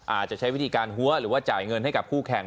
อาจจะใช้วิธีการหัวหรือว่าจ่ายเงินให้กับคู่แข่ง